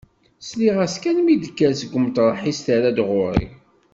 Sliɣ-as kan mi d-tekker seg umṭreḥ-is terra-d ɣur-i.